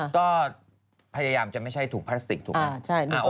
ก็พยายามจะไม่ใช่ถุงพลาสติกถูกไหม